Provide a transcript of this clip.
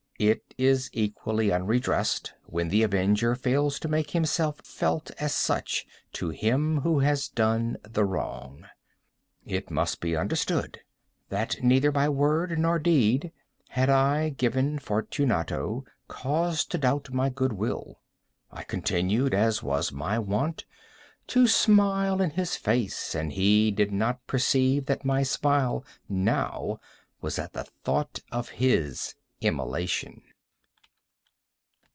It is equally unredressed when the avenger fails to make himself felt as such to him who has done the wrong. It must be understood, that neither by word nor deed had I given Fortunato cause to doubt my good will. I continued, as was my wont, to smile in his face, and he did not perceive that my smile now was at the thought of his immolation.